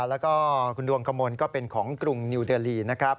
แล้วก็คุณดวงกะมนต์ก็เป็นของกรุงนิวเดอรี